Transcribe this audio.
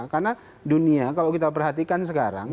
karena dunia kalau kita perhatikan sekarang